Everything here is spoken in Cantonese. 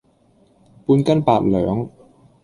半斤八兩